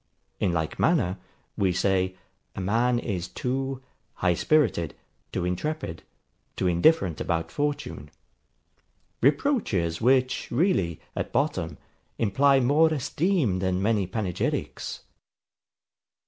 In like manner, we say, a man is too HIGH SPIRITED, TOO INTREPID, TOO INDIFFERENT ABOUT FORTUNE: reproaches, which really, at bottom, imply more esteem than many panegyrics.